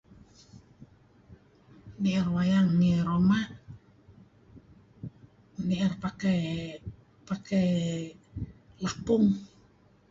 Ni'er wayang ngi ruma ni'er pakai pakai lapung.